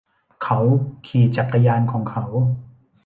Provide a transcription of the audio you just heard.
เขาขี่จักรยานของเขา